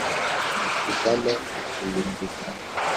zivamo imizinga,